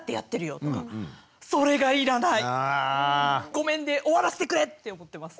「ごめん！」で終わらせてくれ！って思ってます。